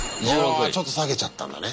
ああちょっと下げちゃったんだね。